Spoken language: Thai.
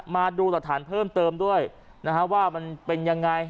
มาดูหลักฐานเพิ่มเติมด้วยนะฮะว่ามันเป็นยังไง